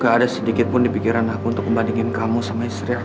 gak ada sedikit pun di pikiran aku untuk ngebandingin kamu sama istri kamu